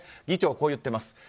議長はこう言っています。